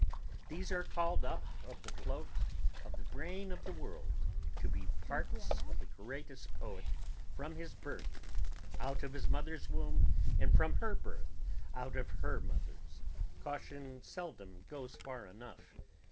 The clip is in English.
these are called up of the float of the brain of the world to be parts of the greatest poet from his birth out of his mother's womb and from her birth out of her mother's. Caution seldom goes far enough.